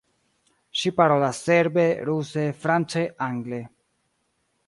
Ŝi parolas serbe, ruse, france, angle.